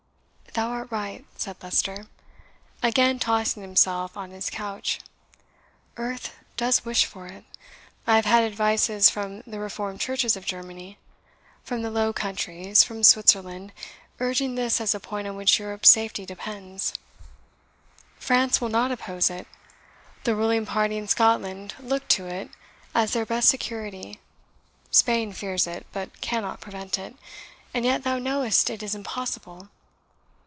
"Thou art right," said Leicester, again tossing himself on his couch "Earth does wish for it. I have had advices from the reformed churches of Germany from the Low Countries from Switzerland urging this as a point on which Europe's safety depends. France will not oppose it. The ruling party in Scotland look to it as their best security. Spain fears it, but cannot prevent it. And yet thou knowest it is impossible."